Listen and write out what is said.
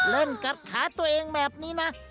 เล่นกัดขาตัวเองแบบนี้นะ